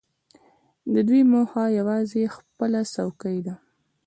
د دوی موخه یوازې خپله څوکۍ ده.